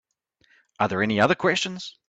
Are there any other questions?